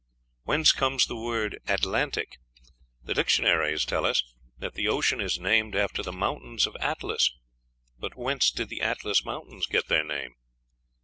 Whence comes the word Atlantic? The dictionaries tell us that the ocean is named after the mountains of Atlas; but whence did the Atlas mountains get their name?